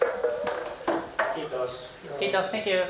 キートスサンキュー。